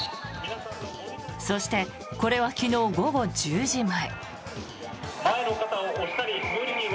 そして、これは昨日午後１０時前。